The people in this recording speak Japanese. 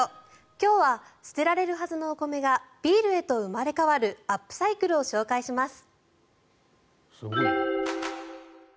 今日は捨てられるはずのお米がビールへと生まれ変わるアップサイクルを紹介します。